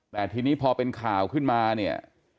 แต่ทีนี้พอเป็นข่าวขึ้นมาเนี่ย